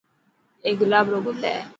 اي گلاب رو گل هي.